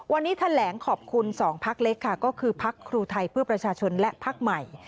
วันนี้แถลงขอบคุณ๒พักเล็กค่ะก็คือพักครูไทยเพื่อประชาชนและพักใหม่